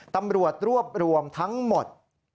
ตำรวจรวบรวมทั้งหมด